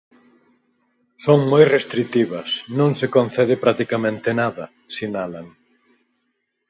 "Son moi restritivas, non se concede practicamente nada", sinalan.